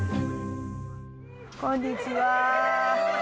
こんにちは。